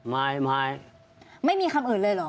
ไม่ไม่ไม่ไม่มีคำอื่นเลยเหรอ